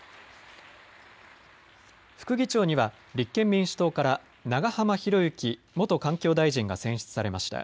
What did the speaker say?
副議長には立憲民主党から長浜博行元環境大臣が選出されました。